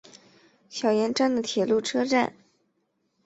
小岩站的铁路车站。